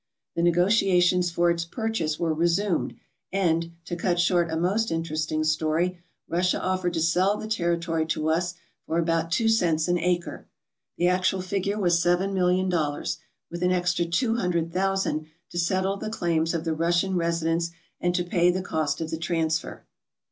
The negotiations for its purchase were resumed, and, to cut short a most interesting story, Russia offered to sell the territory to us for about two cents an acre. The actual figure was seven million dollars, with an extra two hundred thousand to settle the claims of the Russian resi dents and to pay the cost of the transfer.